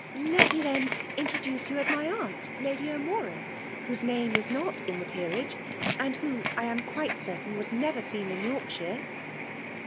*' Let me then introduce you as my aunt, Lady O'Morad, whose name is not in the peerage, and who, I am quite certain, was never seen in Yorkshire."